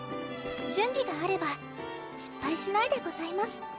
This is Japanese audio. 準備があれば失敗しないでございます